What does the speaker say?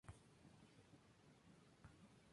Se despidió con una carta a los hinchas.